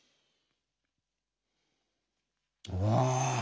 うわ！